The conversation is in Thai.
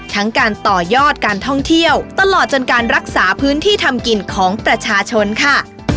ทั้งการต่อยอดการท่องเที่ยวตลอดจนการรักษาพื้นที่ทำกินของประชาชนค่ะ